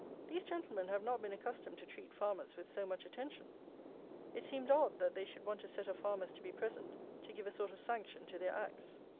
These gentlemen have not been accustomed to treat farmers with so much attention. It seemed odd, that they should want a set of farmers to be present, to give a sort of sanction to their acts.